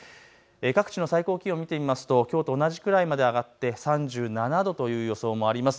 各地の最高気温、見てみますときょうと同じくらいまで上がって３７度という予想もあります。